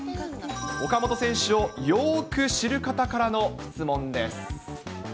岡本選手をよーく知る方からの質問です。